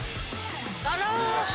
あら。